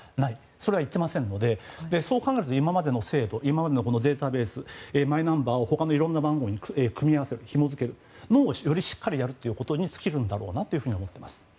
それは言っていませんのでそう考えると今までの制度、データベースマイナンバーを他のいろんな番号にひも付けるのをよりしっかりやるということに尽きるんだろうなと思います。